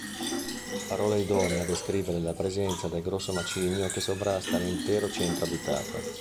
Parola idonea a descrivere la presenza del grosso macigno che sovrasta l'intero centro abitato.